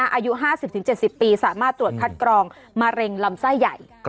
อายุ๕๐๗๐ปีสามารถตรวจคัดกรองมะเร็งลำไส้ใหญ่